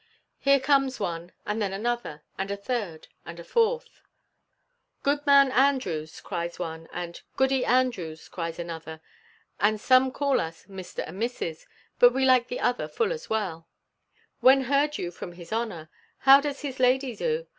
Here comes one, and then another, and a third, and a fourth; "Goodman Andrews," cries one, and, "Goody Andrews," cries another (and some call us Mr. and Mrs., but we like the other full as well) "when heard you from his honour? How does his lady do?